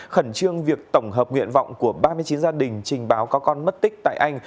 khẩn trương việc tổng hợp nguyện vọng của ba mươi chín gia đình trình báo có con mất tích tại anh